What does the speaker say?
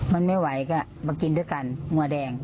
มันไม่ไหวก็มากินด้วยกันงัวแดง